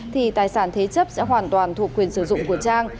thì tài sản thế chấp sẽ hoàn toàn thuộc quyền sử dụng của trang